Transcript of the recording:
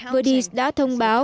verdi đã thông báo